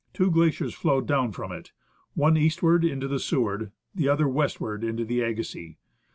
Two glaciers flow down from it, one eastward into the Seward, the other westward into the Agassiz.